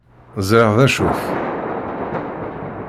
Zṛiɣ d acu-t.